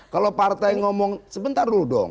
kalau partai ngomong sebentar dulu dong